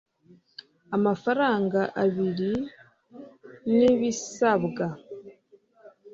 Amafranga abiri nibisabwa